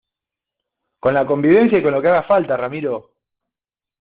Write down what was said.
con la convivencia y con lo que haga falta, Ramiro.